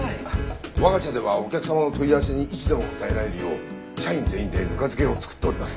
我が社ではお客様の問い合わせにいつでも答えられるよう社員全員でぬか漬けを作っております。